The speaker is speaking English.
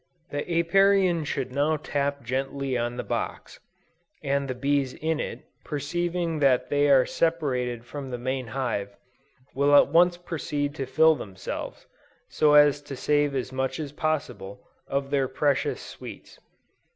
The Apiarian should now tap gently on the box, and the bees in it, perceiving that they are separated from the main hive, will at once proceed to fill themselves, so as to save as much as possible, of their precious sweets.